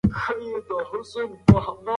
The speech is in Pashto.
تاسو داسې عبادت کوئ چې ګویا الله وینئ.